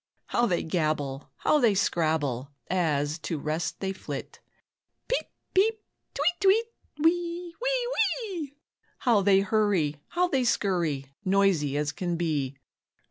How they gabble, how they scrabble As to rest they flit. "Peep, peep, tweet, tweet, wee, wee, wee!" How they hurry, how they scurry, Noisy as can be.